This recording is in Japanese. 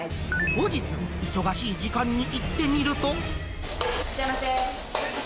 後日、忙しい時間に行ってみいらっしゃいませ。